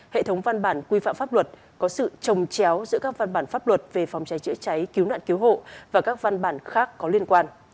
hệ thống văn bản quy phạm pháp luật có sự trồng chéo giữa các văn bản pháp luật về phòng cháy chữa cháy cứu nạn cứu hộ và các văn bản khác có liên quan